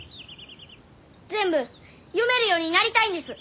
全部読めるようになりたいんです。